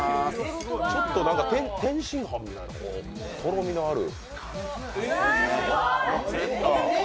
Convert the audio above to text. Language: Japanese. ちょっと天津飯みたいなとろみのある。